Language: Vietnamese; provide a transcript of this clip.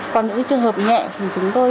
còn những trường hợp nhẹ thì chúng tôi